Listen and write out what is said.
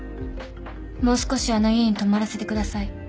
もう少しあの家に泊まらせてください。